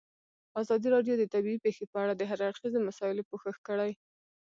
ازادي راډیو د طبیعي پېښې په اړه د هر اړخیزو مسایلو پوښښ کړی.